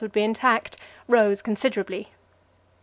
would be intact rose considerably.